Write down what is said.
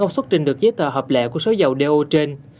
xuất trình được giấy tờ hợp lệ của số dầu đeo trên